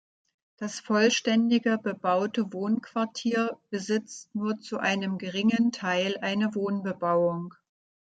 Das vollständige bebaute Wohnquartier besitzt nur zu einem geringen Teil eine Wohnbebauung.